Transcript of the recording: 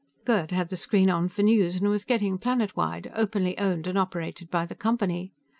Gerd had the screen on for news, and was getting Planetwide, openly owned and operated by the Company.